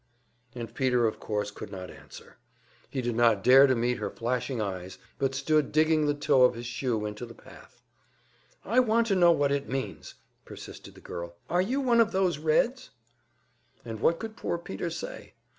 And Peter of course could not answer. He did not dare to meet her flashing eyes, but stood digging the toe of his shoe into the path. "I want to know what it means," persisted the girl. "Are you one of those Reds?" And what could poor Peter say?